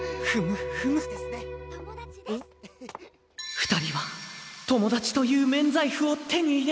２人は「友達」という免罪符を手に入れた